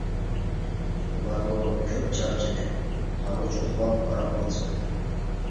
ئۇلارمۇ كۆپ چارچىدى، قانغۇچە ئۇخلاپ ئارام ئالسۇن!